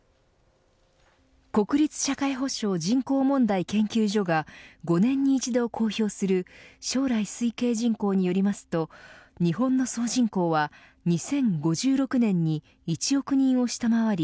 国立社会保障・人口問題研究所が５年に一度公表する将来推計人口によりますと日本の総人口は２０５６年に１億人を下回り